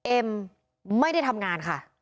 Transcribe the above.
เอ็มไม่ได้ทำงานค่ะ